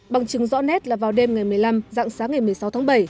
bằng chứng rõ nét là vào đêm ngày một mươi năm dạng sáng ngày một mươi sáu tháng bảy